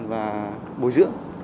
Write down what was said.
và bồi dưỡng